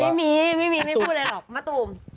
ไม่มีไม่พูดเลยหรอกมะตูม